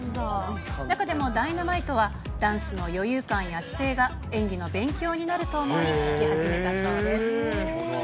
中でもＤｙｎａｍｉｔｅはダンスの余裕感や姿勢が演技の勉強になると思い、聴き始めたそうです。